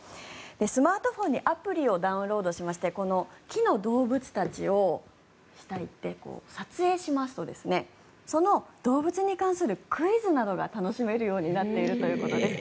スマートフォンにアプリをダウンロードしまして木の動物たちを撮影しますとその動物に関するクイズなどが楽しめるようになっているということです。